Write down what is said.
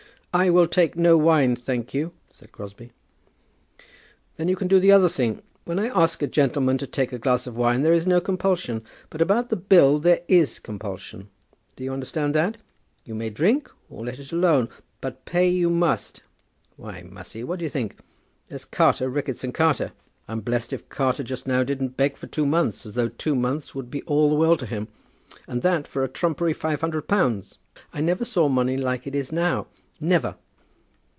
"I will take no wine, thank you," said Crosbie. "Then you can do the other thing. When I ask a gentleman to take a glass of wine, there is no compulsion. But about the bill there is compulsion. Do you understand that? You may drink, or let it alone; but pay you must. Why, Mussy, what d'ye think? there's Carter, Ricketts and Carter; I'm blessed if Carter just now didn't beg for two months, as though two months would be all the world to him, and that for a trumpery five hundred pounds. I never saw money like it is now; never."